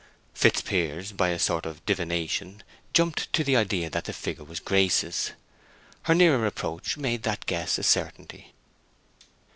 Fitzpiers by a sort of divination jumped to the idea that the figure was Grace's; her nearer approach made the guess a certainty.